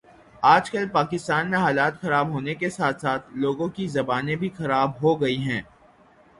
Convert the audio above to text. آج کل پاکستان میں حالات خراب ہونے کے ساتھ ساتھ لوگوں کی زبانیں بھی خراب ہو گئی ہیں